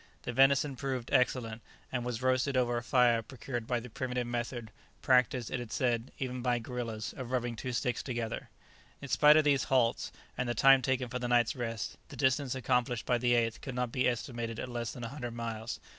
The venison proved excellent, and was roasted over a fire procured by the primitive method, practised, it is said, even by gorillas, of rubbing two sticks together. In spite of these halts, and the time taken for the night's rest, the distance accomplished by the 8th could not be estimated at less than a hundred miles.